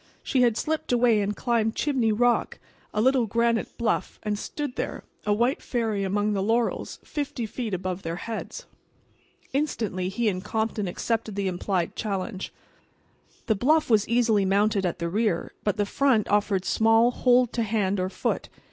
She had slipped away and climbed Chimney Rock, a little granite bluff, and stood there, a white fairy among the laurels, fifty feet above their heads. Instantly he and Compton accepted the implied challenge. The bluff was easily mounted at the rear, but the front offered small hold to hand or foot.